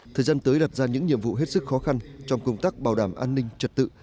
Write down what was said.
thời gian tới đặt ra những nhiệm vụ hết sức khó khăn trong công tác bảo đảm an ninh trật tự